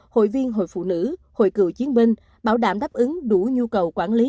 hội viên hội phụ nữ hội cựu chiến binh bảo đảm đáp ứng đủ nhu cầu quản lý